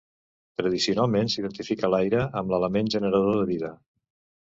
Tradicionalment s'identificà l'aire amb l'element generador de vida.